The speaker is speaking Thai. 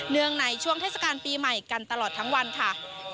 งในช่วงเทศกาลปีใหม่กันตลอดทั้งวันค่ะ